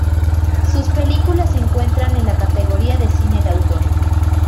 Sus películas se encuentran en la categoría de cine de autor.